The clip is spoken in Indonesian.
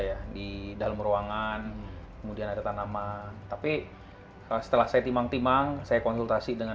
ya di dalam ruangan kemudian ada tanaman tapi setelah saya timang timang saya konsultasi dengan